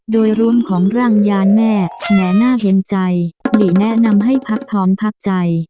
โดยรวมของร่างยานแม่แหมน่าเห็นใจหลีแนะนำให้พักพร้อมพักใจ